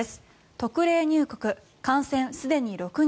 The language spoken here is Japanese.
特例入国感染すでに６人。